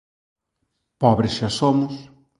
Pobres xa somos.